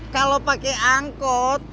kalau pakai angkot